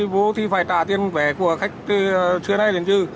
vô thì phải trả tiền về của khách trưa nay đến trưa